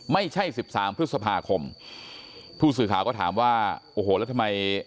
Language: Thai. สิบสามพฤษภาคมผู้สื่อข่าวก็ถามว่าโอ้โหแล้วทำไม